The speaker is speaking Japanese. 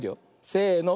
せの。